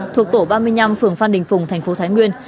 thuộc tổ ba mươi năm phường phan đình phùng thành phố thái nguyên